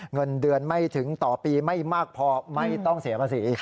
เงินเดือนไม่ถึงต่อปีไม่มากพอไม่ต้องเสียภาษี